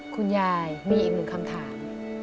คุณยายมีอีกหนึ่งคำถาม